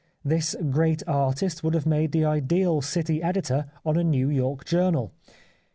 This great artist would have made the ideal city editor on a New York journal.